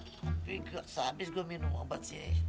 tapi gak sehabis gua minum obat sih